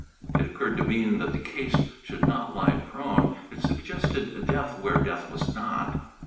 It occurred to Bean that the case should not lie prone. It suggested death where death was not.